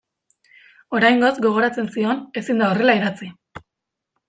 Oraingoz, gogoratzen zion, ezin da horrela idatzi.